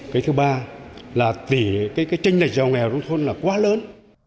cái thứ ba là cái tranh lệch giàu nghèo nông thôn là quá lớn